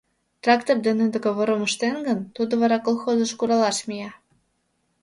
— Трактор дене договорым ыштет гын, тудо вара колхозыш куралаш мия.